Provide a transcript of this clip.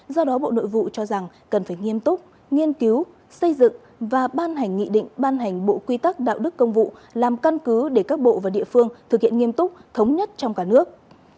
do đó bộ nội vụ cho rằng cần phải nghiêm túc nghiên cứu xây dựng và ban hành nghị định ban hành bộ quy tắc đạo đức công vụ làm căn cứ để các bộ và địa phương thực hiện nghiêm túc thống nhất trong cả nước